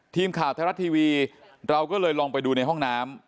ทีมข่าวไทยรัฐทีวีเราก็เลยลองไปดูในห้องน้ำ